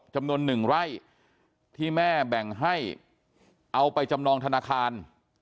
จำนวน๑ไร่ที่แม่แบ่งให้เอาไปจำนองธนาคาร